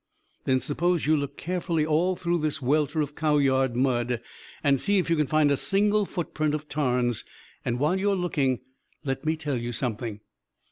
Then suppose you look carefully all through this welter of cow yard mud; and see if you can find a single footprint of Tarn's. And while you're looking, let me tell you something."